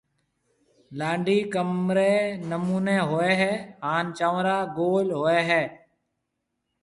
لانڊَي ڪمرَي نمونيَ ھوئيَ ھيََََ ھان چنورا گول ھوئيَ ھيََََ